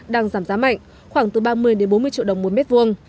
đang giảm giá mạnh khoảng từ ba mươi đến bốn mươi triệu đồng một mét vuông